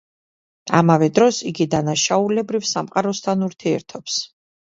ამავე დროს, იგი დანაშაულებრივ სამყაროსთან ურთიერთობს.